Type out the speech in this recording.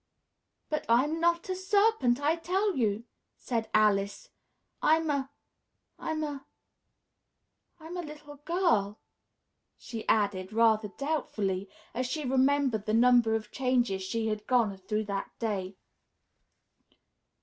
"But I'm not a serpent, I tell you!" said Alice. "I'm a I'm a I'm a little girl," she added rather doubtfully, as she remembered the number of changes she had gone through that day.